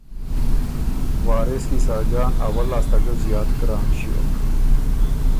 وارث کی ساجان اول لاسته ګه زیات ګران شیوک